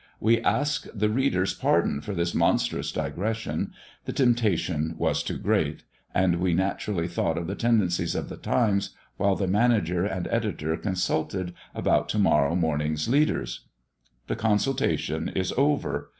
We ask the reader's pardon for this monstrous digression; the temptation was too great, and we naturally thought of the tendencies of the Times while the manager and editor consulted about to morrow morning's leaders. The consultation is over.